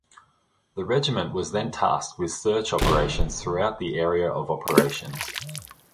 The Regiment was then tasked with search operations throughout the area of operations.